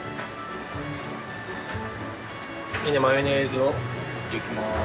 マヨネーズを塗っていきます。